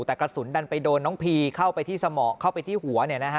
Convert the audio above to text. แต่กระสุนดันไปโดนน้องพีเข้าไปที่สมองเข้าไปที่หัว